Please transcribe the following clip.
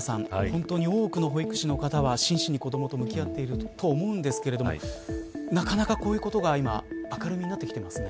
本当に多くの保育士の方は真摯に子どもと向き合っていると思うんですけどなかなかこういうことが今、明るみなってきてますね。